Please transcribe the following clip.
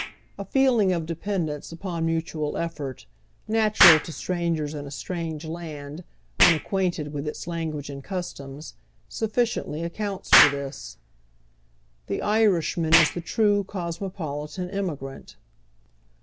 A feeling of dependence upon mutual effort, natural to strangers in a strange land, nnaapiainted with its language and cus toms, sufficiently accounts for tliie. The Irishman is the true cosmopolitan immigrant.